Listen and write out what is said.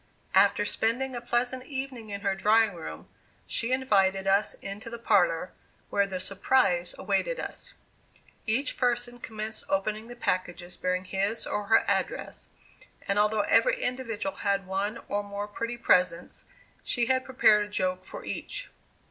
After spending a pleasant evening in her drawing room, she invited us into the parlor, where the "surprise" awaited us. Each person commenced opening the packages bearing his or her address, and although every individual had one or more pretty presents, she had prepared a joke for each.